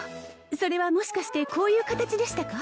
それはもしかしてこういう形でしたか？